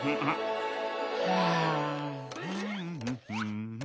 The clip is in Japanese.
はあ。